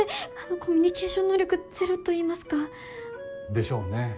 コミュニケーション能力ゼロといいますか。でしょうね。